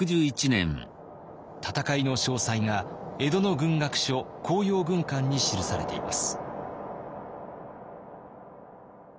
戦いの詳細が江戸の軍学書「甲陽軍鑑」に記されています。